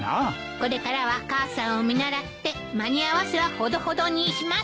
これからは母さんを見習って間に合わせはほどほどにします。